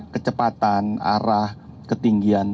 kecepatan arah ketinggian